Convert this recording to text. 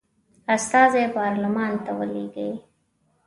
استازي پارلمان ته ولیږي.